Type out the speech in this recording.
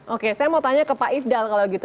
oke saya mau tanya ke pak ifdal kalau gitu